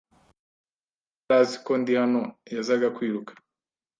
Niba yari azi ko ndi hano, yazaga kwiruka.